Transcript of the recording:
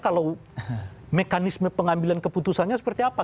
kalau mekanisme pengambilan keputusannya seperti apa